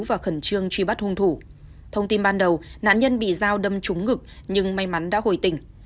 và khẩn trương truy bắt hung thủ thông tin ban đầu nạn nhân bị dao đâm trúng ngực nhưng may mắn đã hồi tình